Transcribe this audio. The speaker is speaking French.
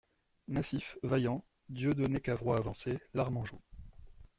Massif, vaillant, Dieudonné Cavrois avançait, l'arme en joue.